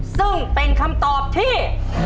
ซึ่งเป็นคำตอบที่